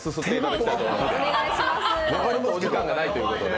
ちょっとお時間がないということで。